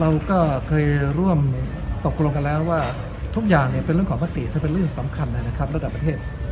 เราก็เคยร่วมตกลงกันแล้วว่าทุกอย่างเป็นเรื่องของมติถ้าเป็นเรื่องสำคัญนะครับระดับประเทศ